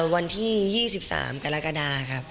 วันที่๒๓กรกฎาครับ